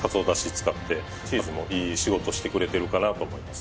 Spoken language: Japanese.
使ってチーズもいい仕事してくれてるかなと思います